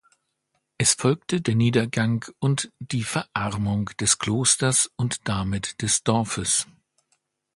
Es folgte der Niedergang und die Verarmung des Klosters und damit des Dorfes.